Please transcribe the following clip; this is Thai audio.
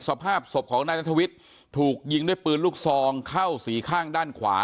สภาพศพของนายนัทวิทย์ถูกยิงด้วยปืนลูกซองเข้าสีข้างด้านขวา